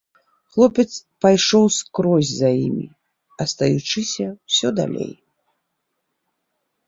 Хлопец пайшоў скрозь за імі, астаючыся ўсё далей.